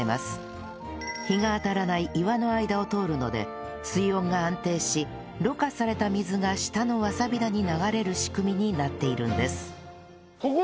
日が当たらない岩の間を通るので水温が安定しろ過された水が下のわさび田に流れる仕組みになっているんです